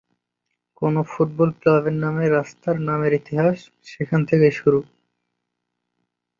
কোন ফুটবল ক্লাবের নামে রাস্তার নামের ইতিহাস সেখান থেকেই শুরু।